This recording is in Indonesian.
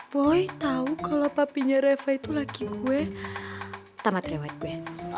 boy tahu kalau papinya reva itu laki gue tamat rewet ben